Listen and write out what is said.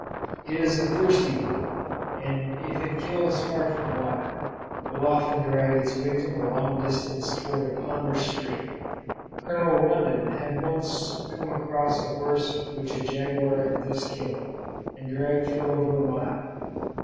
It is a thirsty brute, and if it kills far from water will often drag its victim a long distance toward a pond or stream; Colonel Rondon had once come across a horse which a jaguar had thus killed and dragged for over a mile.